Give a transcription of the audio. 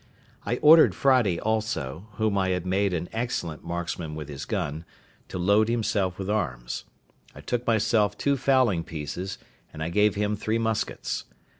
I ordered Friday also, whom I had made an excellent marksman with his gun, to load himself with arms. I took myself two fowling pieces, and I gave him three muskets.